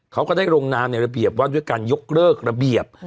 เขาก็ได้ลงนามในระเบียบว่าด้วยการยกเลิกระเบียบ